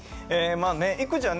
育児はね